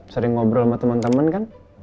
sering ngobrol sama temen temen kan